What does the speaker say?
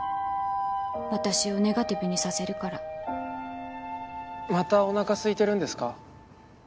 私をネガティブにさせるからまたおなかすいてるんですか？